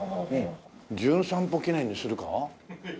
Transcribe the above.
「じゅん散歩記念」にするか？